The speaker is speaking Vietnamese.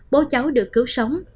bố cháu được cứu sống